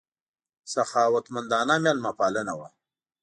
سخاوتمندانه مېلمه پالنه وه.